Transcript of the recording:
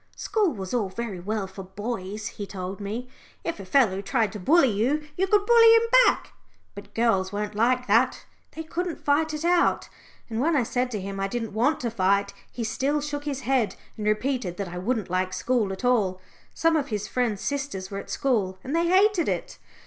School was all very well for boys, he told me. If a fellow tried to bully you, you could bully him back. But girls weren't like that they couldn't fight it out. And when I said to him I didn't want to fight, he still shook his head, and repeated that I wouldn't like school at all some of his friends' sisters were at school and they hated it.